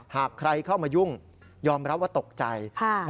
หากใครเข้ามายุ่งยอมรับว่าตกใจ